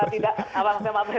tidak apa apa saya maaf ya